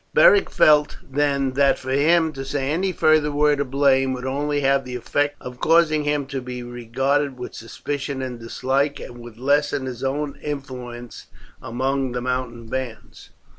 Beric felt, then, that for him to say any further word of blame would only have the effect of causing him to be regarded with suspicion and dislike, and would lessen his own influence among the mountain bands.